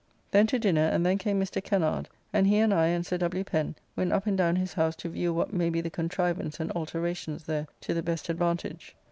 Then to dinner, and then came Mr. Kennard, and he and I and Sir W. Pen went up and down his house to view what may be the contrivance and alterations there to the best advantage.